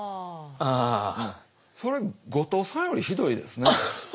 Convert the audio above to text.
それ後藤さんよりひどいですね。